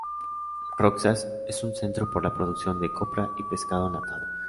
Roxas es un centro por la producción de copra y pescado enlatado.